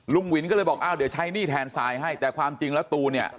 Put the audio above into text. วินก็เลยบอกอ้าวเดี๋ยวใช้หนี้แทนทรายให้แต่ความจริงแล้วตูนเนี่ย